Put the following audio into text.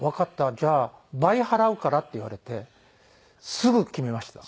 じゃあ倍払うから」って言われてすぐ決めました。